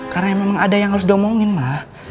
karena memang ada yang harus domongin ma